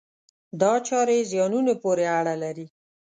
دا چارې زیانونو پورې اړه لري.